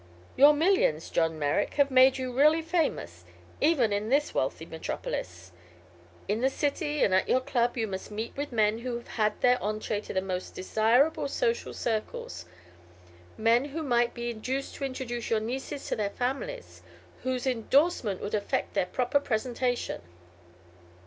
Your millions, John Merrick, have made you really famous, even in this wealthy metropolis. In the city and at your club you must meet with men who have the entrée to the most desirable social circles: men who might be induced to introduce your nieces to their families, whose endorsement would effect their proper presentation."